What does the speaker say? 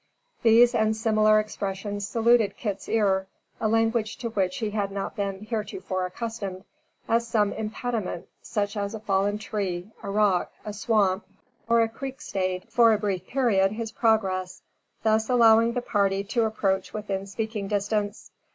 These and similar expressions saluted Kit's ear a language to which he had not been heretofore accustomed as some impediment, such as a fallen tree, a rock, a swamp, or a creek staid, for a brief period, his progress, thus allowing the party to approach within speaking distance.